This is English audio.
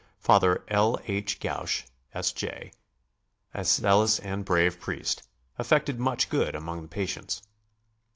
Father L. H. Gache, S. J., a zealous and brave priest, effected much good among the patients.